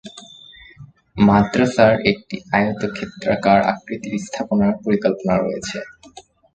মাদ্রাসার একটি আয়তক্ষেত্রাকার আকৃতির স্থাপনার পরিকল্পনা রয়েছে।